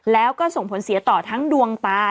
แล้วก็ส่งผลเสียต่อทั้งดวงตา